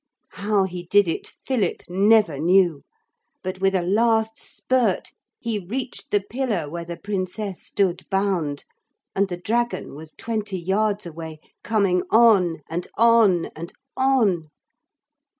How he did it Philip never knew. But with a last spurt he reached the pillar where the Princess stood bound. And the dragon was twenty yards away, coming on and on and on.